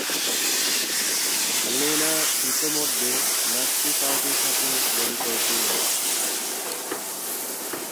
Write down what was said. লিনা ইতোমধ্যে নাৎসি পার্টির সাথে জড়িত ছিল।